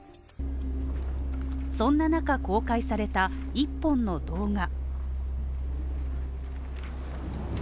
そんな中公開された１本の動画。